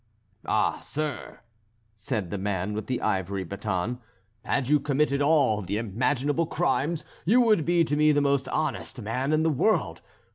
"Ah, sir," said the man with the ivory baton, "had you committed all the imaginable crimes you would be to me the most honest man in the world.